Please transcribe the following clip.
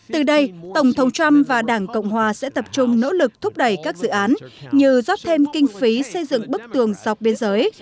từ đây tổng thống trump và đảng cộng hòa sẽ tập trung nỗ lực thúc đẩy các dự án như rót thêm kinh phí xây dựng bức tường dọc biên giới